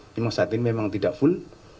memang saat ini memang tidak full